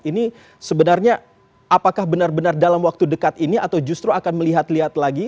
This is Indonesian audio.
ini sebenarnya apakah benar benar dalam waktu dekat ini atau justru akan melihat lihat lagi